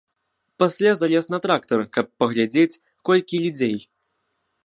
Пасля залез на трактар, каб паглядзець, колькі людзей.